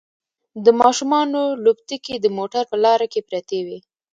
د ماشومانو لوبتکې د موټر په لاره کې پرتې وي